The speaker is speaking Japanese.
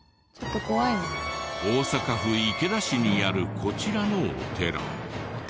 大阪府池田市にあるこちらのお寺。